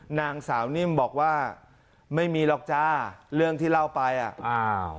นางสาวนิ่มบอกว่าไม่มีหรอกจ้าเรื่องที่เล่าไปอ่ะอ้าว